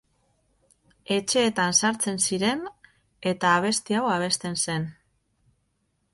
Etxeetan sartzen ziren eta abesti hau abesten zen.